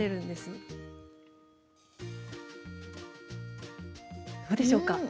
どうでしょうか？